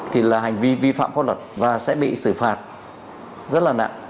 thì là hành vi vi phạm pháp luật và sẽ bị xử phạt rất là nặng